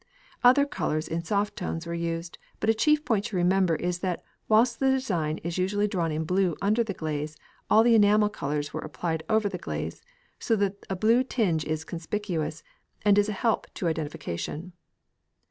Other colours in soft tones were used, but a chief point to remember is that whilst the design was usually drawn in blue under the glaze, all the enamel colours were applied over the glaze, so that a blue tinge is conspicuous, and it is a help to identification.